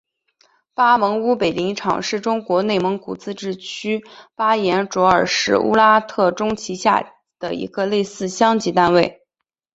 巴盟乌北林场是中国内蒙古自治区巴彦淖尔市乌拉特中旗下辖的一个类似乡级单位。